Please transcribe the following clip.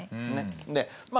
でまあ